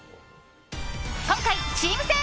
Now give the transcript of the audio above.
今回、チーム戦！